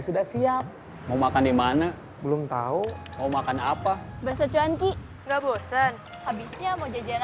sudah siap mau makan dimana belum tahu mau makan apa bisa cuan ki nggak bosan habisnya mau jajan